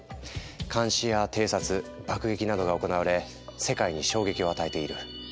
監視や偵察爆撃などが行われ世界に衝撃を与えている。